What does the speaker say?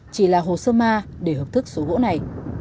chỉ là hồ sơ ma để hợp thức số gỗ này